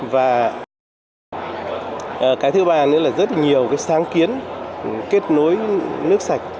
và cái thứ ba nữa là rất nhiều cái sáng kiến kết nối nước sạch